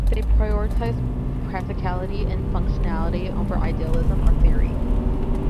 They prioritize practicality and functionality over idealism or theory.